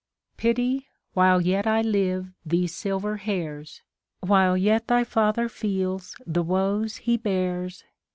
Pity, while yet I live, these silver hairs ; While yet thy father feels the woes he bears.